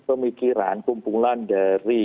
pemikiran kumpulan dari